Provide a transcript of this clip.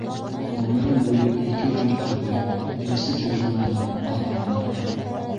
Ғүмерем буйы ике ир күрҙем - эсеп йөрөмәнем, аҙманым.